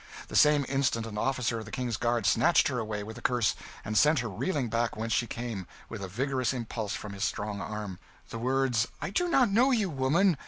The same instant an officer of the King's Guard snatched her away with a curse, and sent her reeling back whence she came with a vigorous impulse from his strong arm. The words "I do not know you, woman!"